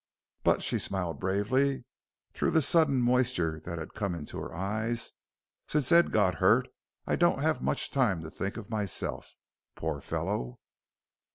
But" she smiled bravely through the sudden moisture that had come into her eyes "since Ed got hurt I don't have much time to think of myself. Poor fellow."